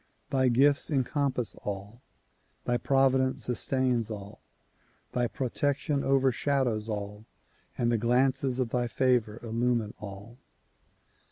Thy gifts encompass all, thy providence sustains all, thy protection overshadows all and the glances of thy favor illumine all.